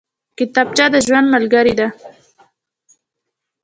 کتابچه د ژوند ملګرې ده